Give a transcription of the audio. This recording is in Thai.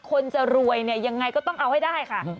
คนจะรวยเนี่ยยังไงก็ต้องเอาให้ได้ค่ะ